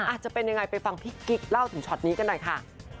จะเป็นยังไงไปฟังพี่กิ๊กเล่าถึงช็อตนี้กันหน่อยค่ะ